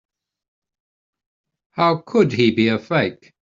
How could he be a fake?